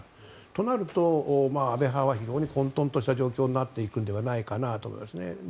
となると、安倍派は非常に混とんとした状況になっていくのではないかなと思います。